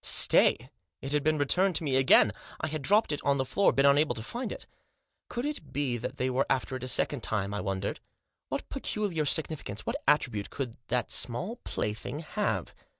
Stay ! It had been returned to me again. I had dropped it on the floor; been unable to find it. Could it be that they were after it a second time. I wondered. What peculiar significance, what attribute, could that small plaything have